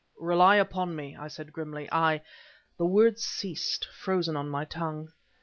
"Rely upon me!" I said grimly. "I..." The words ceased frozen on my tongue.